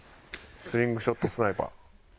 スリングショットスナイパー。